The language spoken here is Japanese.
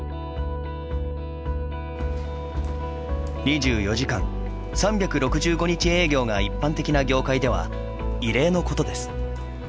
２４時間３６５日営業が一般的な業界では異例のことです。